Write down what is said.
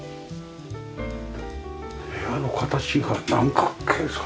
部屋の形が何角形ですか？